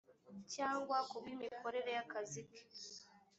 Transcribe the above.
cyangwa ku bw imikorere y akazi ke